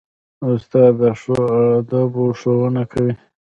استاد د ښو آدابو ښوونه کوي.